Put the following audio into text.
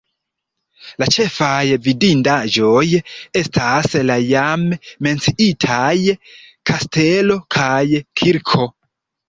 La ĉefaj vidindaĵoj estas la jam menciitaj kastelo kaj kirko.